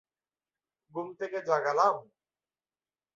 ঘুম থেকে জাগালাম?